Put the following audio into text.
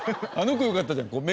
あの子よかったじゃん。